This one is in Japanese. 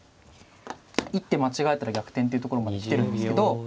一手間違えたら逆転というところまで来てるんですけど。